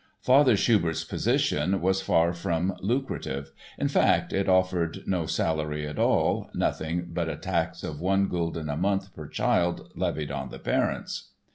Father Schubert's position was far from lucrative; in fact, it offered no salary at all, nothing but a tax of one gulden a month per child levied on the parents.